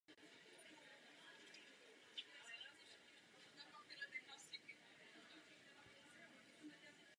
Právě tato hradba je zachována dodnes.